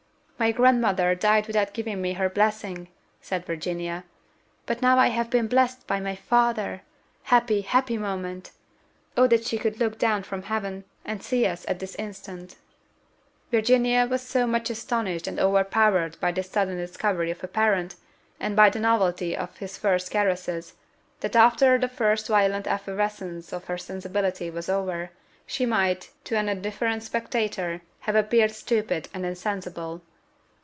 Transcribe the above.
"My grandmother died without giving me her blessing," said Virginia; "but now I have been blessed by my father! Happy, happy moment! O that she could look down from heaven, and see us at this instant!" Virginia was so much astonished and overpowered by this sudden discovery of a parent, and by the novelty of his first caresses, that after the first violent effervescence of her sensibility was over, she might, to an indifferent spectator, have appeared stupid and insensible.